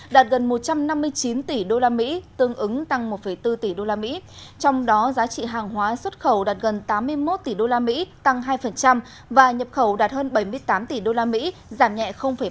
đạt gần một trăm năm mươi chín tỷ usd tương ứng tăng một bốn tỷ usd trong đó giá trị hàng hóa xuất khẩu đạt gần tám mươi một tỷ usd tăng hai và nhập khẩu đạt hơn bảy mươi tám tỷ usd giảm nhẹ ba